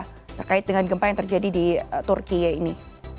karena yang ada terkait dengan gempa yang terjadi di turki ini